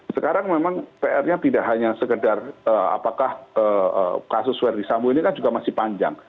sekarang memang pr nya tidak hanya sekedar apakah kasus verdi sambo ini kan juga masih panjang